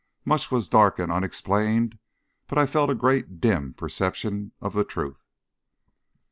Much was dark and unexplained, but I felt a great dim perception of the truth.